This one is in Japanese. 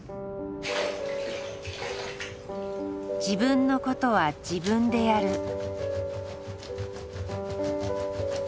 自分のことは自分でやる。